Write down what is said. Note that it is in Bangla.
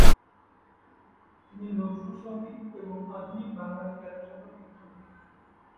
তিনি নজরুল সঙ্গীত এবং আধুনিক বাঙালি গানের জন্য বিখ্যাত।